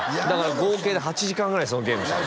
合計で８時間ぐらいそのゲームしてたんです